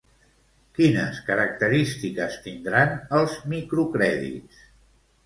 Quines característiques tindran els microcrèdits?